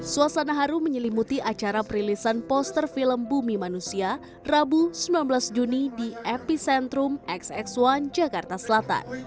suasana haru menyelimuti acara perilisan poster film bumi manusia rabu sembilan belas juni di epicentrum xx satu jakarta selatan